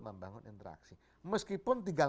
membangun interaksi meskipun tinggal